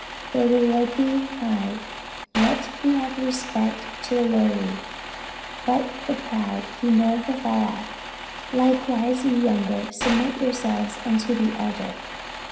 . Though the Lord be high, yet hath He respect unto the lowly; but the proud He knoweth afar off ... Likewise, ye younger, submit yourselves unto the elder.